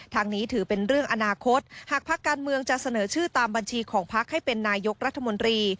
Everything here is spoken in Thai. ทางนี้ถือเป็นเรื่องอนาคตหากพักการเมืองจะเสนอชื่อตามบัญชีของพักให้เป็นนายกรัฐมนตรี